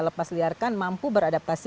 lepas liarkan mampu beradaptasi